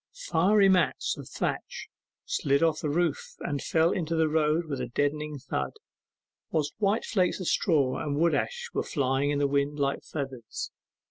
Fiery mats of thatch slid off the roof and fell into the road with a deadened thud, whilst white flakes of straw and wood ash were flying in the wind like feathers.